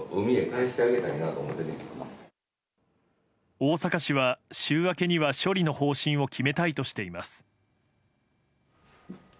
大阪市は週明けには処理の方針を決めたいとしています。